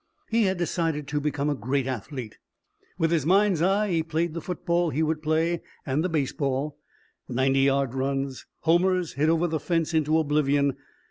He had decided to become a great athlete. With his mind's eye, he played the football he would play and the baseball. Ninety yard runs, homers hit over the fence into oblivion.